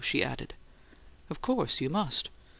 she added. "Of course you must."